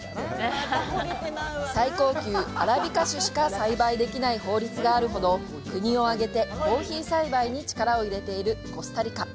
最高級アラビカ種しか栽培できない法律があるほど国を挙げてコーヒー栽培に力を入れているコスタリカ。